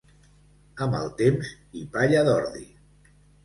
Amb el temps i palla d'ordi.